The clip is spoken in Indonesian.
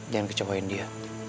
jangan kecewain dia